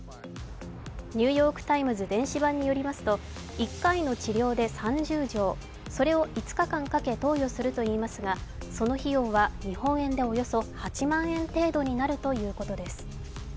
「ニューヨーク・タイムズ」電子版によりますと１回の治療で３０錠それを５日間かけ投与するといいますが、その費用は日本円でおよそ８万円程度になるということです。